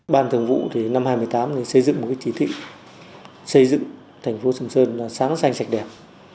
ban thường vụ thì năm hai nghìn một mươi tám thì xây dựng một cái chỉ thị xây dựng thành phố sầm sơn là sáng xanh sạch đẹp